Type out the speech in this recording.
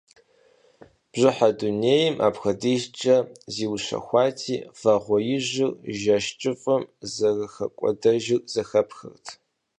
Бжьыхьэ дунейм апхуэдизкӏэ зиущэхуати, вагъуэижыр жэщ кӏыфӏым зэрыхэкӏуэдэжыр зэхэпхырт.